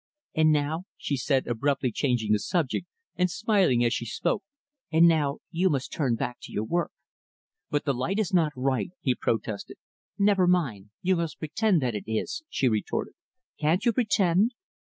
"And now" she said, abruptly changing the subject, and smiling as she spoke "and now, you must turn back to your work." "But the light is not right," he protested. "Never mind, you must pretend that it is," she retorted. "Can't you pretend?"